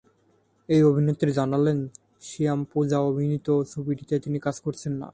এই অভিনেত্রী জানালেন, সিয়াম পূজা অভিনীত ছবিটিতে তিনি কাজ করছেন না।